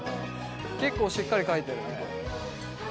結構しっかりかいてるね。